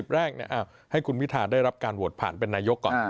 ๕๐แรกเนี่ยอ้าวให้คุณพิทาได้รับการโหวตผ่านเป็นนายกก่อน